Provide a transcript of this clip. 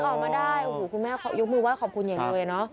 ออกมาได้คุณแม่ยกมือไหว้ขอบคุณเยอะเนอะ